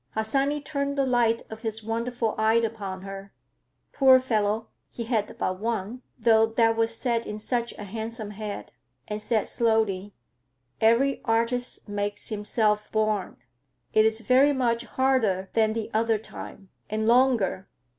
Harsanyi turned the light of his wonderful eye upon her—poor fellow, he had but one, though that was set in such a handsome head—and said slowly: "Every artist makes himself born. It is very much harder than the other time, and longer.